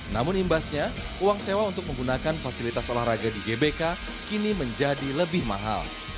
namun imbasnya uang sewa untuk menggunakan fasilitas olahraga di gbk kini menjadi lebih mahal